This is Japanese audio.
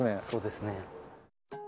そうですね。